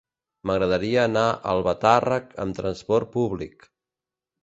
M'agradaria anar a Albatàrrec amb trasport públic.